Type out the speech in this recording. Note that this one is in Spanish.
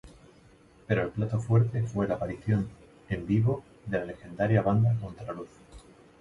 Pero el plato fuerte fue la aparición en vivo de la legendaria banda Contraluz.